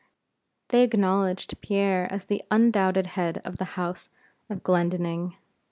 They acknowledged Pierre as the undoubted head of the house of Glendinning.